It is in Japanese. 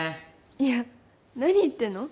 いや何言ってんの？